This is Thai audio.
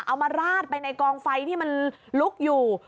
มาราดไปในกองไฟที่มันลุกอยู่